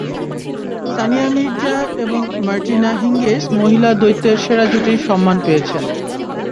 সানিয়া মির্জা এবং Martina Hingis মহিলা দ্বৈতের সেরা জুটির সম্মান পেয়েছেন।